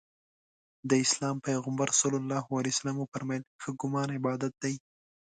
د اسلام پیغمبر ص وفرمایل ښه ګمان عبادت دی.